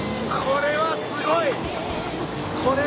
これはすごい。